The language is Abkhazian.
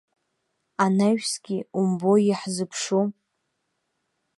Анаҩсгьы, умбои, иаҳзыԥшу.